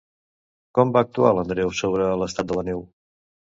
Com va actuar l'Andreu sobre l'estat de la neu?